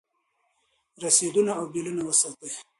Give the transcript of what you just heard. رسیدونه او بیلونه وساتئ.